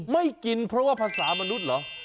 ไม่กินเพราะว่าภาษามนุษย์เหรอ